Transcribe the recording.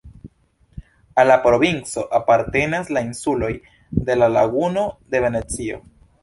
Al la provinco apartenas la insuloj de la Laguno de Venecio.